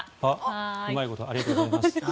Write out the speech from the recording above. うまいことありがとうございます。